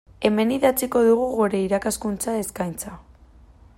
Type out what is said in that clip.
Hemen idatziko dugu gure irakaskuntza eskaintza.